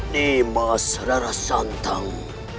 nima saudara santang